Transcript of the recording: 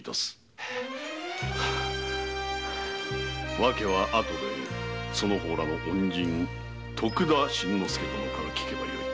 訳はあとでその方らの恩人徳田新之助殿から聞けばよい。